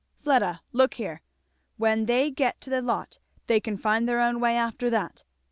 Fleda, look here, when they get to the lot they can find their own way after that.